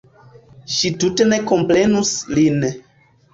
Ŝi tute ne komprenus lin.